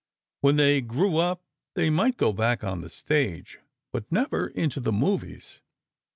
When they grew up, they might go back on the stage, but never into the movies.